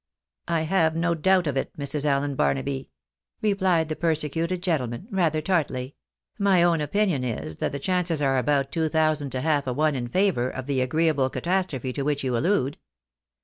"I have no doubt of it, Mrs. Allen Barnaby," replied the persecuted gentleman, rather tartly ;" my own opinion is that the chances are about two thousand to half a one in favour of the agreeable catastrophe to which you allude."